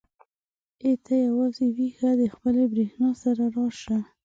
ای ته یوازې ويښه د خپلې برېښنا سره راشه.